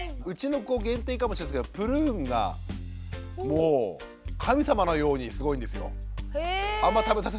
うちの子限定かもしれないですけどプルーンがもう神様のようにすごいんですよ。